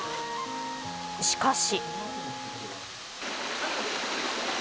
しかし。